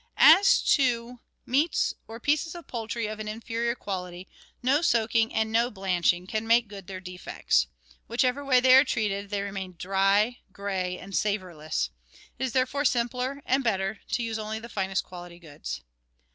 As to meats or pieces of poultry of an inferior quality, no soaking and no blanching can make good their defects. Which ever way they are treated they remain dry, gray, and savourless. It is therefore simpler and better to use only the finest quality goods.